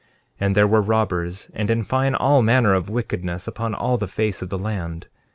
13:26 And there were robbers, and in fine, all manner of wickedness upon all the face of the land.